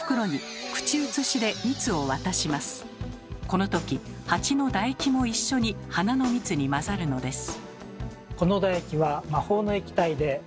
このときハチのだ液も一緒に花の蜜に混ざるのです。